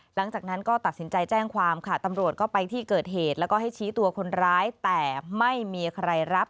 หลังจากนั้นก็ตัดสินใจแจ้งความค่ะตำรวจก็ไปที่เกิดเหตุแล้วก็ให้ชี้ตัวคนร้ายแต่ไม่มีใครรับ